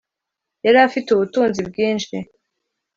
yari afite ubutunzi bwinshi